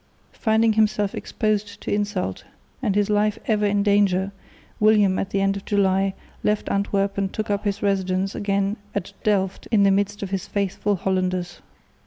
Finding himself exposed to insult, and his life ever in danger, William, at the end of July, left Antwerp and took up his residence again at Delft in the midst of his faithful Hollanders.